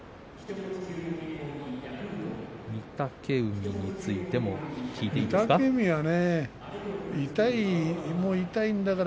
御嶽海についても聞いてですか。